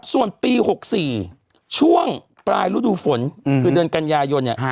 ส่วนปี๖๔ช่วงปลายฤดูฝนคือเดือนกันยายนเนี่ย